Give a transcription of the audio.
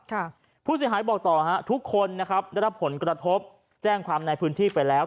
ค่ะผู้เสียหายบอกต่อฮะทุกคนนะครับได้รับผลกระทบแจ้งความในพื้นที่ไปแล้ว